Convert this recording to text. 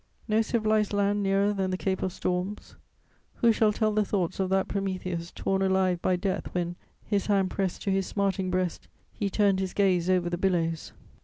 No civilized land nearer than the Cape of Storms. Who shall tell the thoughts of that Prometheus torn alive by death, when, his hand pressed to his smarting breast, he turned his gaze over the billows!